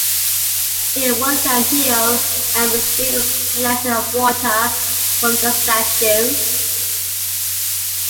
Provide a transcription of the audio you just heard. Here one can kneel and receive a blessing of water from the statue.